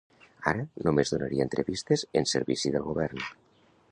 Ara, només donaria entrevistes en servici del govern.